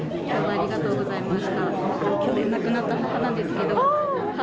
ありがとうございます。